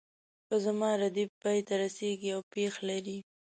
په زما ردیف پای ته رسیږي او پیښ لري.